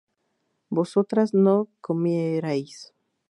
vosotras no comierais